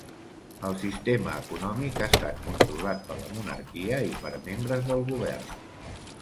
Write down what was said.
El sistema econòmic ha estat controlat per la monarquia i per membres del govern.